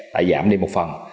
đã giảm đi một phần